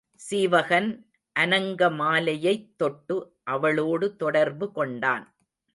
சீவகன் அநங்கமாலையைத் தொட்டு அவளோடு தொடர்பு கொண்டான்.